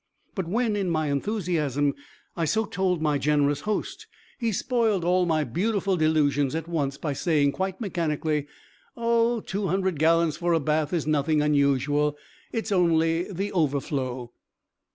But when, in my enthusiasm, I so told my generous host, he spoiled all my beautiful delusions at once by saying quite mechanically, "Oh, two hundred gallons for a bath is nothing unusual; it's only the overflow."